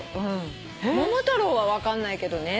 桃太郎は分かんないけどね。